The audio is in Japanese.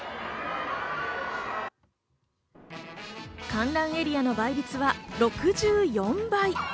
観覧エリアの倍率は６４倍。